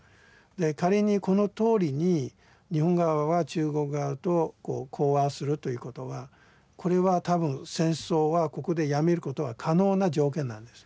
仮にこのとおりに日本側は中国側と講和するということがこれは多分戦争はここでやめることは可能な条件なんです。